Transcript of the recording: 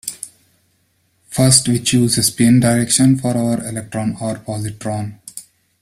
First we choose a spin direction for our electron or positron.